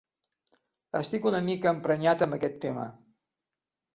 Estic una mica emprenyat amb aquest tema.